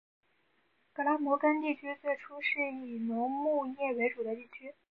格拉摩根地区最初是以农牧业为主的地区。